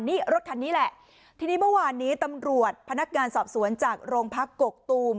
นี่รถคันนี้แหละทีนี้เมื่อวานนี้ตำรวจพนักงานสอบสวนจากโรงพักกกตูม